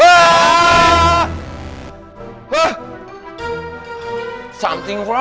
ada tentang apa